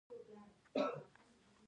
دا نقاشۍ د تیلو لومړنۍ نقاشۍ دي